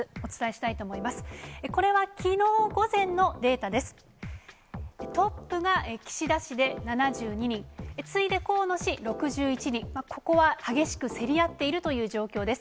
トップが岸田氏で７２人、次いで河野氏６１人、ここは激しく競り合っているという状況です。